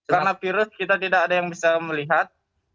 karena virus kita tidak ada yang bisa melihat